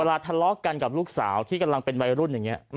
ทะเลาะกันกับลูกสาวที่กำลังเป็นวัยรุ่นอย่างนี้